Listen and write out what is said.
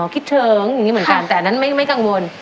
คิดถึงอย่างนี้เหมือนกันแต่อันนั้นไม่กังวล